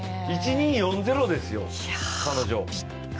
１２４０ですよ、彼女。